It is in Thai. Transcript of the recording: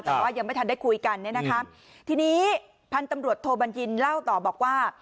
แต่ว่ายังไม่ทันได้คุยกันเนี่ยนะคะทีนี้พันธุ์ตำรวจโทบัญญินเล่าต่อบอกว่า